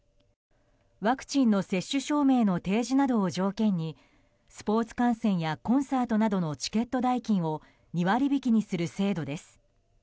ワクチンの接種証明の提示などを条件にスポーツ観戦やコンサートなどのチケット代金を２割引きにする制度です。